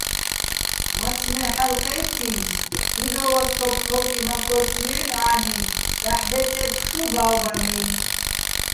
მაცმე ჰ̦ალო̆ ჴე́თთი́ნც, დიდო́ვას თოფ ქო́კიმაქ ო́თთჲიენი̆, ა́ლ'იჼ: დაჰ̦ ბეწე́თხ შუ ბა́ვბანაჲნო̆.